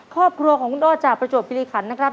ครอบครัวของคุณอ้อจากประจวบภิกัณฑ์นะครับ